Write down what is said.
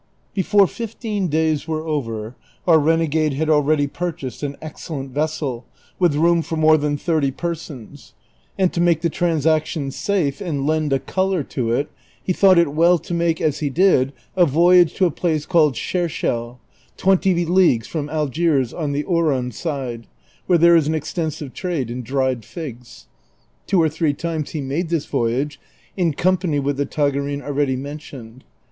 Before fifteen days were over our renegade had already pur chased an excellent vessel with room for more than thirty persons ; and to make the transaction safe and lend a color to it, he thought it well to make, as he did, a voyage to a place called Shershel, twenty leagues from Algiers on the Oran side, where there is an extensive trade in dried rigs. Two or three times he made this vo3'age in com pany with the Tagarin already mentioned.